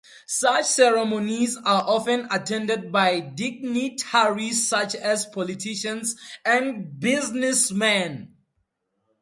Such ceremonies are often attended by dignitaries such as politicians and businessmen.